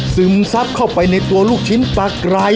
ซึมซับเข้าไปในตัวลูกชิ้นปลากราย